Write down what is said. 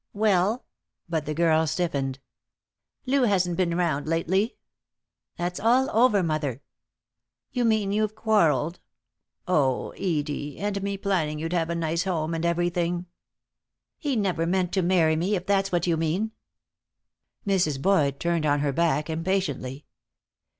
"Well?" But the girl stiffened. "Lou hasn't been round, lately." "That's all over, mother." "You mean you've quarreled? Oh, Edie, and me planning you'd have a nice home and everything." "He never meant to marry me, if that's what you mean." Mrs. Boyd turned on her back impatiently.